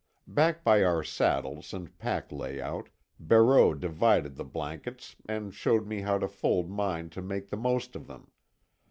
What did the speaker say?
Back by our saddles and pack layout, Barreau divided the blankets and showed me how to fold mine to make the most of them.